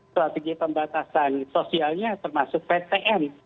strategi pembatasan sosialnya termasuk ptm